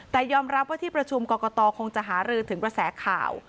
แต่ยอมรับว่าที่ประชุมกรกตคงจะหารือถึงกระแสข่าว